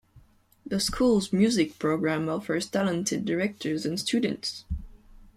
The school's music program offers talented directors and students.